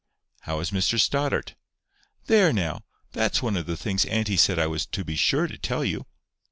"How is Mr Stoddart?" "There now! That's one of the things auntie said I was to be sure to tell you."